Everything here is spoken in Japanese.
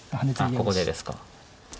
ここでですか。